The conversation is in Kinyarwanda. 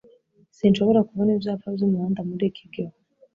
Sinshobora kubona ibyapa byumuhanda muri iki gihu